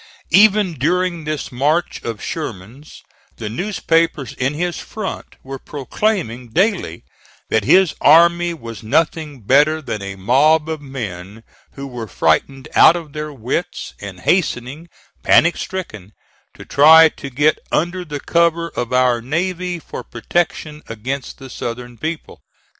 Even during this march of Sherman's the newspapers in his front were proclaiming daily that his army was nothing better than a mob of men who were frightened out of their wits and hastening, panic stricken, to try to get under the cover of our navy for protection against the Southern people.